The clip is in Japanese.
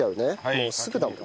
もうすぐだもん。